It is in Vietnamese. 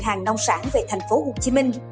hàng nông sản về thành phố hồ chí minh